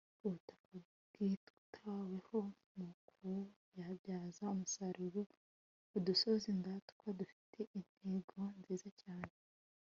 ubutaka bwitaweho mu kububyaza umusaruro ; udusozi ndatwa dufite intego nziza cyane